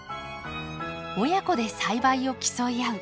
親子で栽培を競い合う。